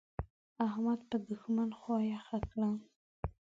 احمد په دوښمن خوا يخه کړه.